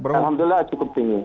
alhamdulillah cukup tinggi